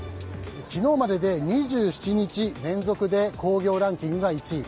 昨日までで２７日連続で興行ランキングが１位。